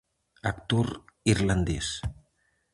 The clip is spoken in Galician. Actor irlandés.